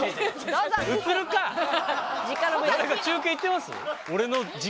誰か中継行ってます？